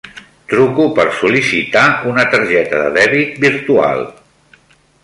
Truco per sol·licitar una targeta de dèbit virtual.